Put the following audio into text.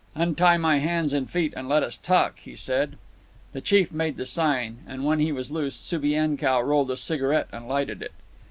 "Untie my hands and feet and let us talk," he said. The chief made the sign; and when he was loosed Subienkow rolled a cigarette and lighted it.